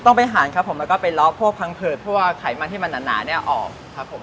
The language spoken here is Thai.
ต้องไปหารครับผมแล้วก็ไปเลาะพวกพังเผือดพวกไขมันที่มันหนาเนี่ยออกครับผม